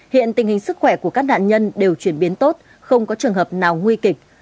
hiện tình hình sức khỏe của các nạn nhân đều chuyển biến tốt không có trường hợp nào nguy kịch